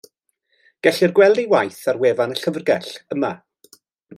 Gellir gweld ei waith ar wefan y Llyfrgell, yma.